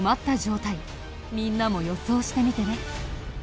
みんなも予想してみてね。